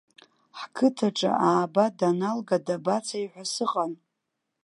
Ҳқыҭаҿы ааба даналга, дабацеи ҳәа сыҟан.